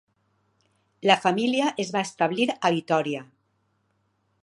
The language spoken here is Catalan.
La família es va establir a Vitòria.